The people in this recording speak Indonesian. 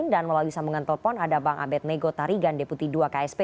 dan melalui sambungan telepon ada bang abed nego tarigan deputi dua ksp